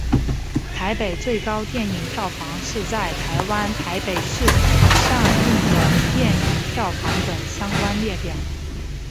台北最高电影票房是在台湾台北市上映的电影票房等相关列表。